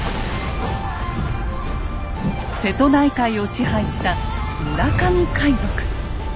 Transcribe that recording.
瀬戸内海を支配した村上海賊。